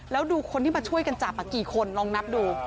แล้วดูคนที่มาช่วยกันจับกี่คนลองนับดู